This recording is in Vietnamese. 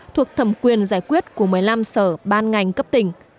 thuộc thẩm quyền giải quyết của một mươi năm sở ban ngành cấp tỉnh